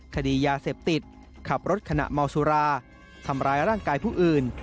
คดียาเสพติดขับรถขณะเมาสุราทำร้ายร่างกายผู้อื่น